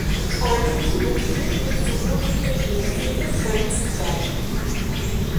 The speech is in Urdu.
پانی کے مختلف منصوبوں کی تکمیل کیلئے فنڈز جاری